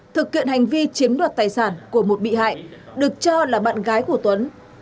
thực hiện hành vi chiếm đoạt tài sản của một bị hại được cho là bạn gái của tuấn